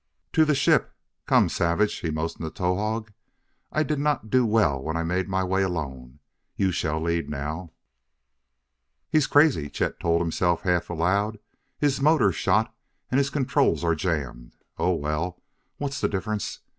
"To the ship! Come, savage!" he motioned to Towahg "I did not do well when I made my way alone. You shall lead now." "He's crazy," Chet told himself half aloud: "his motor's shot and his controls are jammed! Oh, well; what's the difference?